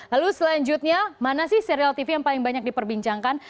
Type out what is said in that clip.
lalu selanjutnya mana sih serial tv yang paling banyak diperbincangkan